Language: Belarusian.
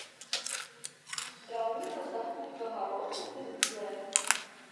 Драўніна з-за хуткага росту друзлая.